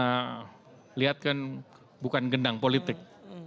yang ibu nana lihat kan bukan gendang politik